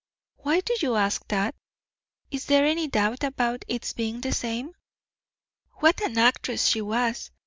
"Why do you ask that? Is there any doubt about its being the same?" What an actress she was!